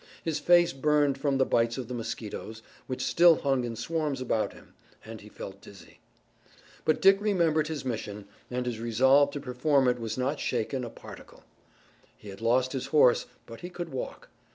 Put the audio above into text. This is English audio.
His face burned from the bites of the mosquitoes, which still hung in swarms about him, and he felt dizzy. But Dick remembered his mission, and his resolve to perform it was not shaken a particle. He had lost his horse, but he could walk.